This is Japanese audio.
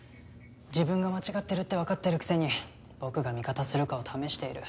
自分が間違ってるってわかってるくせに僕が味方するかを試している。